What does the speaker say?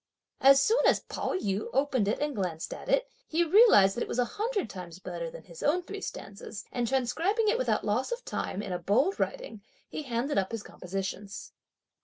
As soon as Pao yü opened it and glanced at it, he realised that it was a hundred times better than his own three stanzas, and transcribing it without loss of time, in a bold writing, he handed up his compositions.